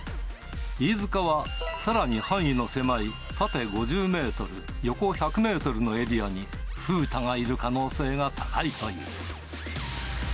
飯塚は、さらに範囲の狭い縦５０メートル横１００メートルのエリアにふうたがいる可能性が高いという。